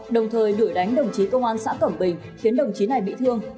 đồng thời đuổi đánh đồng chí công an xã cẩm bình khiến đồng chí này bị thương